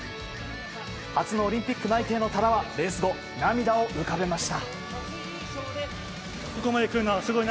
初のオリンピック内定の多田はレース後、涙を浮かべました。